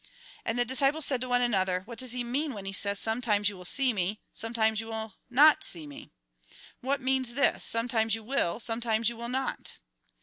'' And the disciples said one to another: "What does he mean when he says :' Sometimes you will see nie, sometimes you will not see me.' What means this, ' Sometimes you will, sometimes you will not